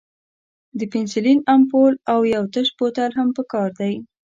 د پنسلین امپول او یو تش بوتل هم پکار دی.